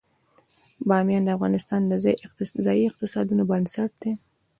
بامیان د افغانستان د ځایي اقتصادونو بنسټ دی.